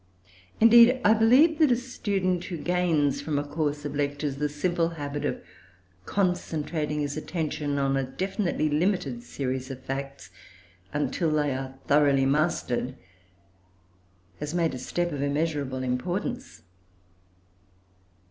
Indeed, I believe that a student who gains from a course of lectures the simple habit of concentrating his attention upon a definitely limited series of facts, until they are thoroughly mastered, has made a step of immeasurable importance.